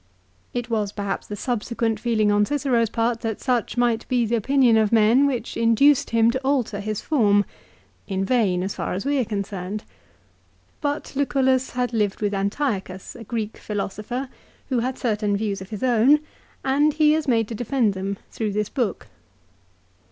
It was, perhaps the subsequent feeling on Cicero's part that such might be 1 Acadumica ii. lib. i. ca. iii. CICERO'S PHILOSOPHY. 343 the opinion of men which induced him to alter his form, in vain as far as we are concerned. But Lucullus had lived with Antiochus, a Greek philosopher, who had certain views of his own, and he is made to defend them through this book.